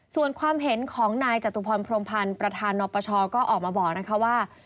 ส่วนความเห็นของนายจตุพรพรมพันธ์ประธานนปชก็ออกมาบอกนะคะว่า